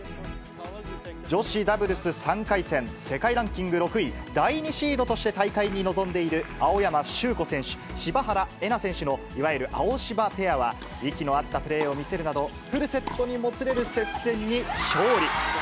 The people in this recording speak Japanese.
女子ダブルス３回戦、世界ランキング６位、第２シードとして大会に臨んでいる青山修子選手、柴原瑛菜選手のいわゆるアオシバペアは、息の合ったプレーを見せるなど、フルセットにもつれる接戦に勝利。